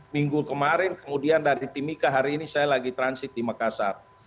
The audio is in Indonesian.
minggu kemarin kemudian dari timika hari ini saya lagi transit di makassar